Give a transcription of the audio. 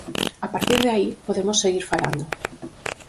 A partir de aí, podemos seguir falando.